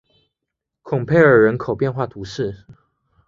孔佩尔人口变化图示